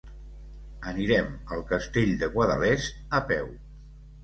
Anirem al Castell de Guadalest a peu.